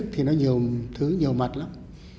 thì nó nhiều thứ nhiều mặt lắm